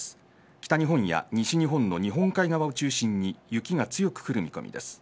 北日本や西日本の日本海側を中心に雪が強く降る見込みです。